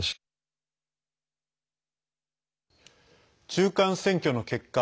中間選挙の結果